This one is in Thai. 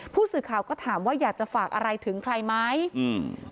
ผู้สื่อข่าวก็ถามว่าอยากจะฝากอะไรถึงใครไหมอืม